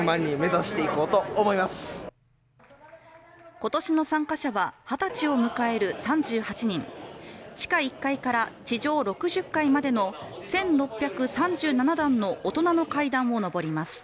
今年の参加者は二十歳を迎える３８人地下１階から地上６０階までの１６３７段の大人の階段を上ります